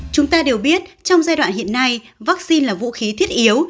chúng ta đều biết trong giai đoạn hiện nay vaccine là vũ khí thiết yếu